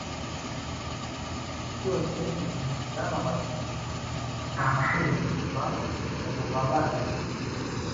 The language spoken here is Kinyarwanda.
muri byose Ibintu byababajwe birambuye Kuva mububabare